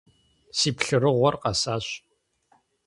Си плъырыгъуэр къэсащ.